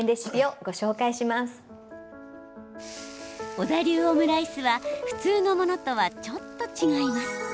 小田流オムライスは普通のものとはちょっと違います。